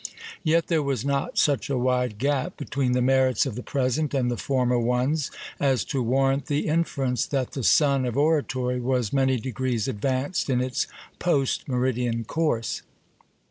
Vet there was not such a wide gap between the merits of the present and the former ones, as to warrant the inference that the sun of oratory was many degrees advanced in its post meridian course.